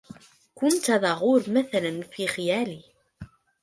كنت طاغور ماثلا في خيالي